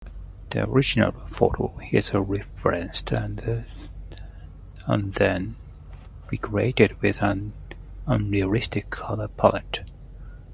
The original photo is referenced and then recreated with an unrealistic color palette.